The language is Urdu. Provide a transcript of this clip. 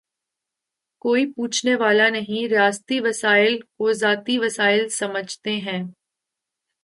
کوئی پوچھنے والا نہیں، ریاستی وسائل کوذاتی وسائل سمجھتے ہیں۔